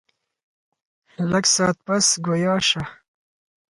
لږ ساعت پس ګویا شۀ ـ